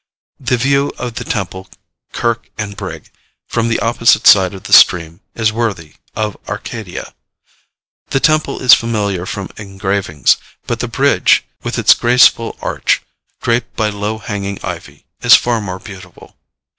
The view of the temple, kirk, and 'brig,' from the opposite side of the stream, is worthy of Arcadia. The temple is familiar from engravings; but the bridge, with its graceful arch, draped by low hanging ivy, is far more beautiful.